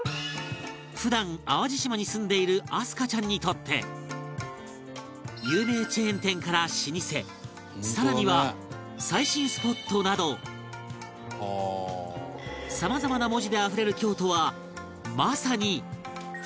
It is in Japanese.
普段淡路島に住んでいる明日香ちゃんにとって有名チェーン店から老舗更には最新スポットなどさまざまな文字であふれる京都はまさに